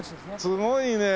すごいね。